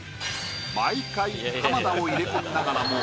毎回浜田を入れ込みながらも。